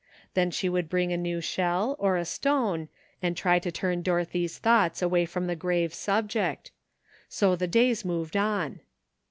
Then she would bring a new shell, or a stone, and try to turn Doro thy's thoughts away from the grave subject. So the days moved on.